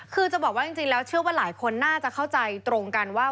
คือจะบอกว่าจริงแล้วเชื่อว่าหลายคนน่าจะเข้าใจตรงกันว่า